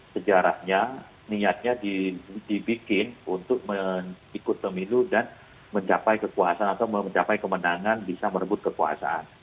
sejarahnya niatnya dibikin untuk ikut pemilu dan mencapai kekuasaan atau mencapai kemenangan bisa merebut kekuasaan